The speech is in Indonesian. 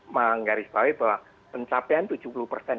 menggarisbawahi bahwa pencapaian